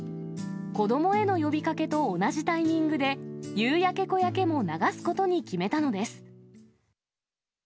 子どもへの呼びかけと同じタイミングで、夕焼け小焼けも流すことに決めたのです。